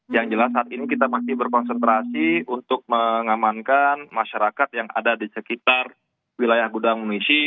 yang jelas saat ini kita masih berkonsentrasi untuk mengamankan masyarakat yang ada di sekitar wilayah gudang munisi